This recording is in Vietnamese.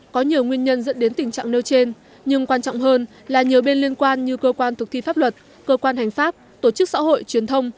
có nhiều nguyên nhân dẫn đến tình trạng nêu trên nhưng quan trọng hơn là nhiều bên liên quan như cơ quan thực thi pháp luật cơ quan hành pháp tổ chức xã hội truyền thông